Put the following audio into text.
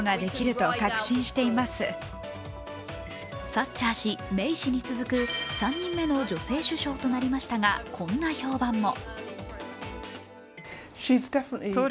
サッチャー氏、メイ氏に続く３人目の女性首相となりましたがこんな評判も。